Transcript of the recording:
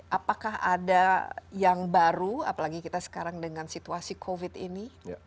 apakah ada yang baru apalagi kita sekarang dengan situasi covid ini